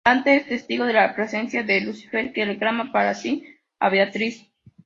Dante es testigo de la presencia de Lucifer, que reclama para sí a Beatriz.